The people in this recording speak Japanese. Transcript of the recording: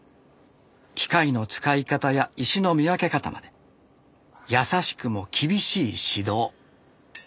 機械の使い方や石の見分け方まで優しくも厳しい指導。